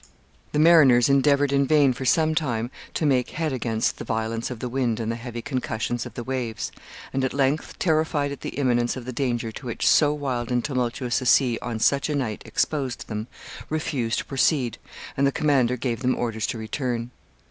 The mariners endeavored in vain for some time to make head against the violence of the wind and the heavy concussions of the waves, and at length, terrified at the imminence of the danger to which so wild and tumultuous a sea on such a night exposed them, refused to proceed, and the commander gave them orders to return.